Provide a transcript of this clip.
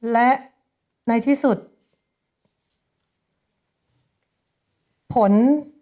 และในที่สุดผล